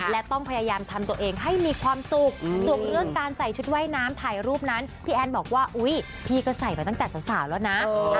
และต้องพยายามทำตัวเองให้มีความสุขส่วนเรื่องการใส่ชุดว่ายน้ำถ่ายรูปนั้นพี่แอนบอกว่าอุ๊ยพี่ก็ใส่มาตั้งแต่สาวแล้วนะ